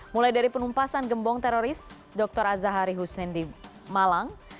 mulai dari penumpasan gembong teroris dr azahari hussein di malang